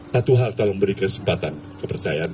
satu hal tolong beri kesempatan kepercayaan